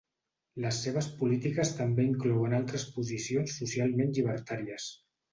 Les seves polítiques també inclouen altres posicions socialment llibertàries.